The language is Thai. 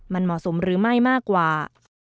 มันเหมาะสมหรือไม่มากกว่า